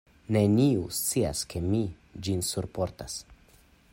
Neniu scias ke mi ĝin surportas.